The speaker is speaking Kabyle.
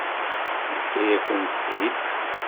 Yefka-yakent-tt-id.